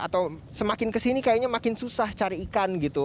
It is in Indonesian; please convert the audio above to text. atau semakin kesini kayaknya makin susah cari ikan gitu